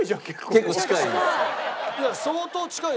結構近いよ。